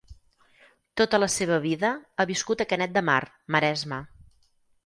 Tota la seva vida ha viscut a Canet de Mar, Maresme.